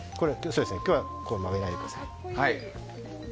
今日は曲げないでください。